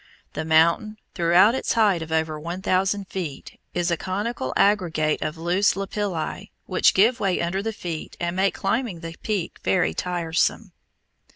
The mountain, throughout its height of over one thousand feet, is a conical aggregate of loose lapilli which give way under the feet and make climbing the peak very tiresome.